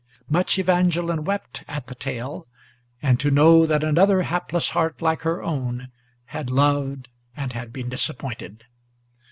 Much Evangeline wept at the tale, and to know that another Hapless heart like her own had loved and had been disappointed.